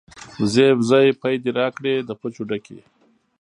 ـ وزې وزې پۍ دې راکړې د پچو ډکې.